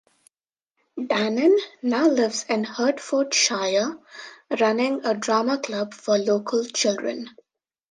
Danan now lives in Hertfordshire, running a drama club for local children.